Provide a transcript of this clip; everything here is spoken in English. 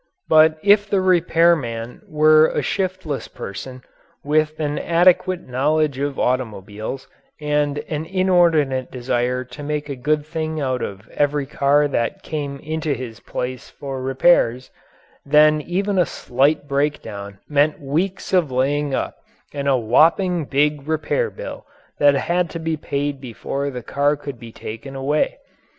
But if the repair man were a shiftless person, with an adequate knowledge of automobiles and an inordinate desire to make a good thing out of every car that came into his place for repairs, then even a slight breakdown meant weeks of laying up and a whopping big repair bill that had to be paid before the car could be taken away.